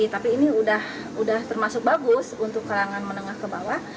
tapi ini sudah termasuk bagus untuk kalangan menengah ke bawah